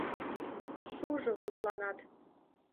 Шужо тудланат.